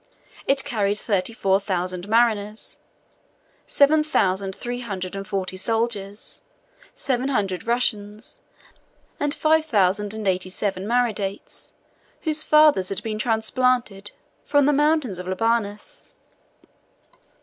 It carried thirty four thousand mariners, seven thousand three hundred and forty soldiers, seven hundred Russians, and five thousand and eighty seven Mardaites, whose fathers had been transplanted from the mountains of Libanus.